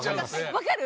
分かる？